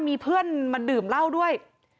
มีเพื่อนมาดื่มเหล้าด้วย